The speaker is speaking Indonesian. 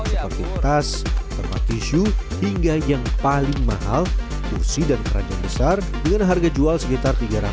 seperti tas tempat tisu hingga yang paling mahal kursi dan keranjang besar dengan harga jual sekitar tiga ratus